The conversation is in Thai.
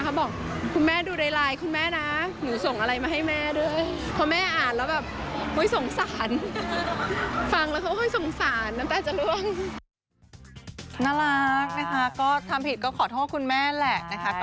เขาบอกคุณแม่ดูในไลน์คุณแม่นะหนูส่งอะไรมาให้แม่ด้วย